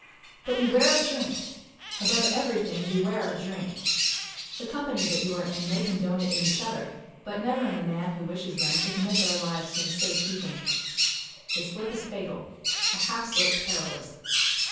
But beware of drink! Above everything, beware of drink! The company that you are in may condone it in each other, but never in the man who wishes them to commit their lives to his safe keeping. A slip is fatal a half slip perilous.